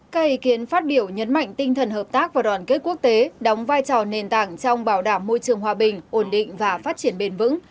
các ý kiến phát biểu nhấn mạnh tinh thần hợp tác và đoàn kết quốc tế đóng vai trò nền tảng trong bảo đảm môi trường hòa bình ổn định và phát triển bền vững